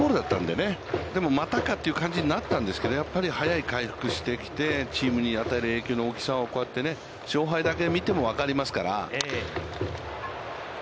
でも、またかという感じになったんですけれども、やっぱり早い回復してきて、チームに与える影響の大きさを、勝敗だけ見ても分かりますから。